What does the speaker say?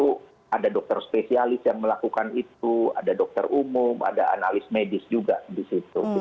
jadi tertentu ada dokter spesialis yang melakukan itu ada dokter umum ada analis medis juga di situ gitu